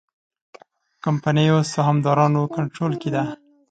کمپنیو سهامدارانو کنټرول کې ده.